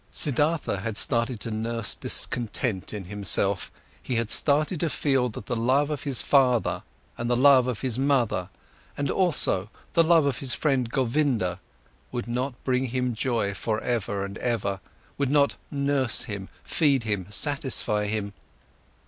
Siddhartha had started to nurse discontent in himself, he had started to feel that the love of his father and the love of his mother, and also the love of his friend, Govinda, would not bring him joy for ever and ever, would not nurse him, feed him, satisfy him.